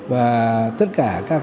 và tất cả các